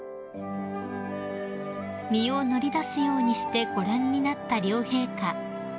［身を乗り出すようにしてご覧になった両陛下］